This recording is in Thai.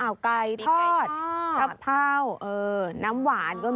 อ่าวไก่ทอดทะพร่าวน้ำหวานก็มี